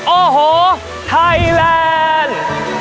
โอ้โหไทยแลนด์